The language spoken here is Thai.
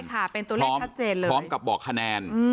ใช่ค่ะเป็นตัวแรกชัดเจนเลย